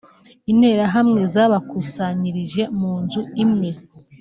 Interahamwe zabakusanirije mu nzu imwe